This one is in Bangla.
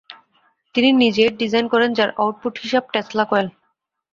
তিনি নিজে এর ডিজাইন করেন যার আউটপুট হিসাব টেসলা কয়েল।